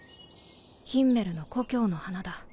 ヒンメルの故郷の花だ。